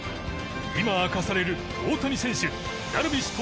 今明かされる大谷選手ダルビッシュ投手